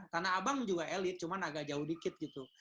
tanah abang juga elit cuman agak jauh dikit gitu